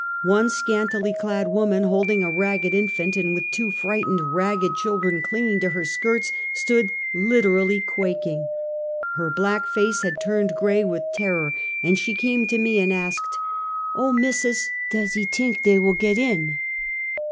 One scantily clad woman, holding a ragged infant, and with two frightened, ragged children clinging to her skirts, stood literally quaking. Her black face had turned gray with terror, and she came to me and asked : Am Enlightened. 361 " Oil! Missus! does ye tink dej will get in?"